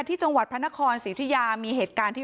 ที่จังหวัดพระนครศรีอุทิยามีเหตุการณ์ที่